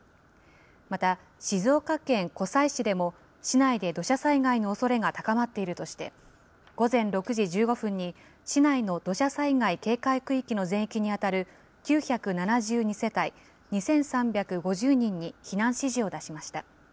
また、静岡県湖西市でも、市内で土砂災害のおそれが高まっているとして、午前６時１５分に市内の土砂災害警戒区域の全域に当たる９７２世帯２３５０人に避難指示を出しました。